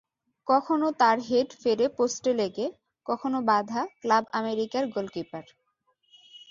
কখনো তাঁর হেড ফেরে পোস্টে লেগে, কখনো বাধা ক্লাব আমেরিকার গোলকিপার।